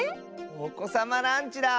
おこさまランチだ！